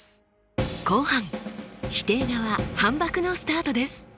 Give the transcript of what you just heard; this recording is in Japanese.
後半否定側反ばくのスタートです！